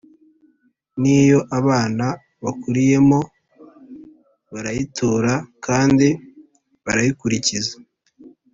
ni yo abana bakuriyemo, barayitora, kandi barayikurikiza.